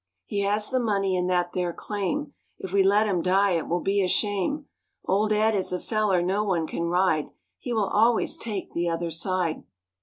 He has the money in that there claim, If we let him die it will be a shame. Old Ed is a feller no one can ride, He will always take the other side.